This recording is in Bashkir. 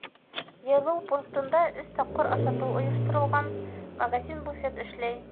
Йыйылыу пунктында өс тапҡыр ашатыу ойошторолған, магазин-буфет эшләй.